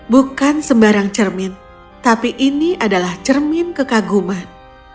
bukan sembarang cermin tapi ini adalah cermin kekaguman